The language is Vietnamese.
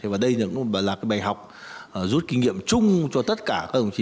và đây cũng là bài học rút kinh nghiệm chung cho tất cả các ông chí